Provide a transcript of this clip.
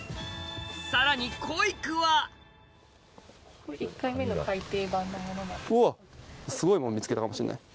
さらにこいくはうわっすごいもん見つけたかもしれない。